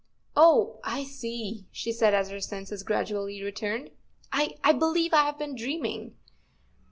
Oh—I see," she said, as her senses gradually returned. " I—I—believe I have been dreaming."